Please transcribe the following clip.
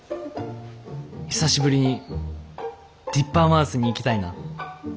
久しぶりにディッパーマウスに行きたいな」。